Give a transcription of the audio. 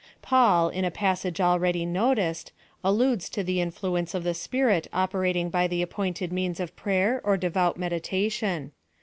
Paul, in a passage already noticed, alludes to the influence of the Spirit operating by the appointed means of prayer, or devout meditation.